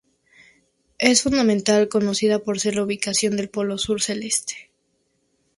Es, fundamentalmente, conocida por ser la ubicación del polo sur celeste.